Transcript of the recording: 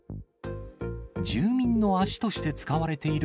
住民の足として使われている